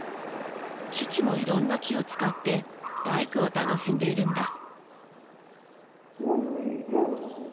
父もいろんな木を使って大工を楽しんでいるんだ。